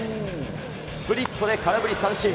スプリットで空振り三振。